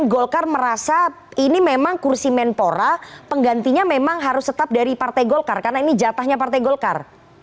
golkar merasa ini memang kursi menpora penggantinya memang harus tetap dari partai golkar karena ini jatahnya partai golkar